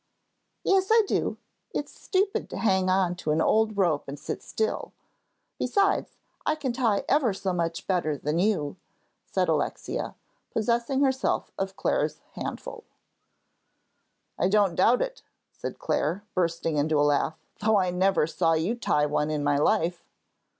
"Yes, I do; it's stupid to hang on to an old rope and sit still. Besides, I can tie ever so much better than you," said Alexia, possessing herself of Clare's handful. "I don't doubt it," said Clare, bursting into a laugh, "though I never saw you tie one in my life."